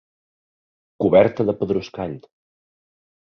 Coberta de pedruscall.